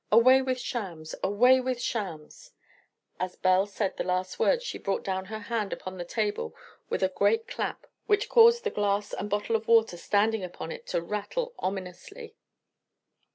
Away with shams! Away with shams!" As Belle said the last words she brought down her hand upon the table with a great clap which caused the glass and bottle of water standing upon it to rattle ominously.